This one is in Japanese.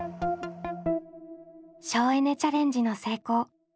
省エネ・チャレンジの成功おめでとう！